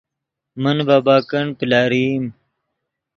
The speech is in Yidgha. من ڤے بیکنڈ پلرئیم